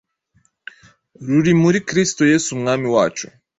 ruri muri Kristo Yesu Umwami wacu.